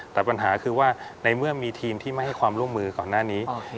แต่ปัญหาคือว่าในเมื่อมีทีมที่ไม่ให้ความร่วมมือก่อนหน้านี้